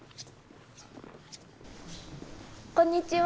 こんにちは。